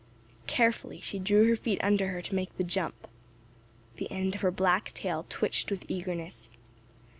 Carefully she drew her feet under her to make the jump. The end of her black tail twitched with eagerness.